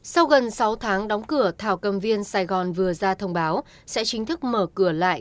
sau gần sáu tháng đóng cửa thảo cầm viên sài gòn vừa ra thông báo sẽ chính thức mở cửa lại